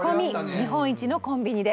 “日本一”のコンビニで」。